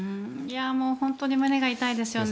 本当に胸が痛いですよね。